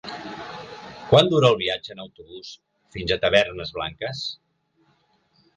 Quant dura el viatge en autobús fins a Tavernes Blanques?